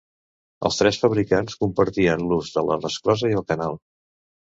Els tres fabricants compartien l'ús de la resclosa i el canal.